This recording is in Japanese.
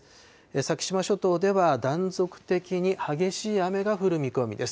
先島諸島では断続的に激しい雨が降る見込みです。